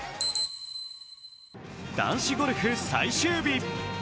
男子ゴルフ最終日。